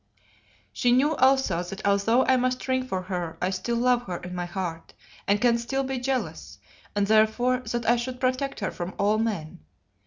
"She knew also that although I must shrink from her, I still love her in my heart, and can still be jealous, and therefore that I should protect her from all men.